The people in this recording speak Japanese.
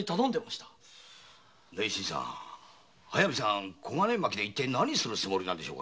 速水さんは小金牧で一体何をするつもりなんでしょう？